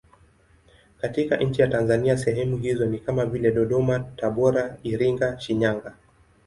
Katika nchi ya Tanzania sehemu hizo ni kama vile Dodoma, Tabora, Iringa, Shinyanga.